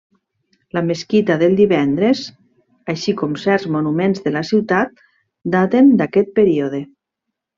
La mesquita del Divendres així com certs monuments de la ciutat daten d'aquest període.